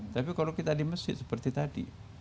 tapi kalau kita di masjid seperti tadi